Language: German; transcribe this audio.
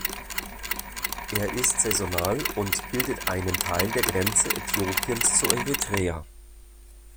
Er ist saisonal, und bildet einen Teil der Grenze Äthiopiens zu Eritrea.